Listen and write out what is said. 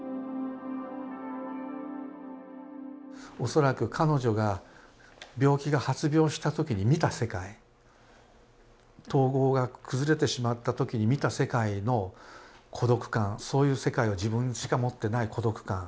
恐らく彼女が病気が発病した時に見た世界統合が崩れてしまった時に見た世界の孤独感そういう世界を自分しか持ってない孤独感。